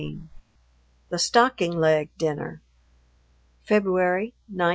XV THE "STOCKING LEG" DINNER _February, 1912.